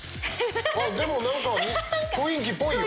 でも何か雰囲気ぽいよ。